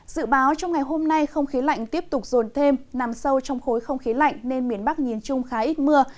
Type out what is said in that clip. dự báo trong ngày hôm nay không khí lạnh tiếp tục rồn thêm nằm sâu trong khối không khí lạnh nên miền bắc nhìn chung khá ít mưa